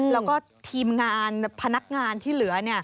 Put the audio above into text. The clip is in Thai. แล้วก็ทีมงานพนักงานที่เหลือ